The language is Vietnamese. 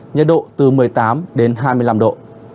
nhiệt độ từ một mươi tám đến hai mươi năm độ